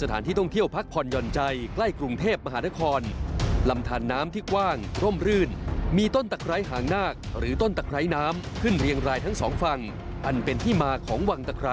ต่ำบริเวณน้ำตกวังตะไครต่ำบริเวณน้ำตกวังตะไคร